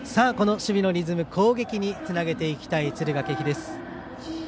この守備のリズムで攻撃につなげていきたい敦賀気比。